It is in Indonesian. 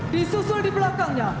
disusul di belakangnya